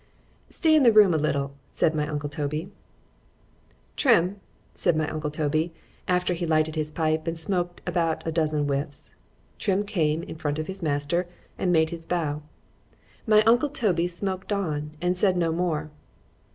——Stay in the room a little, said my uncle Toby. Trim!——said my uncle Toby, after he lighted his pipe, and smoak'd about a dozen whiffs.——Trim came in front of his master, and made his bow;—my uncle Toby smoak'd on, and said no more.